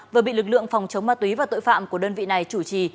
vừa bị lực lượng phòng chống ma túy và tội phạm của đơn vị này chủ trì